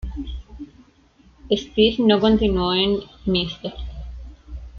Steve no continuó en Mr.